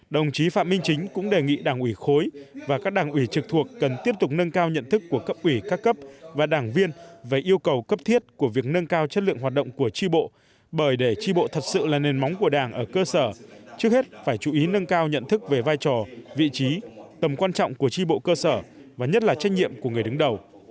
đồng chí phạm minh chính cũng đề nghị đảng ủy khối và các đảng ủy trực thuộc cần tiếp tục nâng cao nhận thức của cấp ủy các cấp và đảng viên về yêu cầu cấp thiết của việc nâng cao chất lượng hoạt động của tri bộ bởi để tri bộ thật sự là nền móng của đảng ở cơ sở trước hết phải chú ý nâng cao nhận thức về vai trò vị trí tầm quan trọng của tri bộ cơ sở và nhất là trách nhiệm của người đứng đầu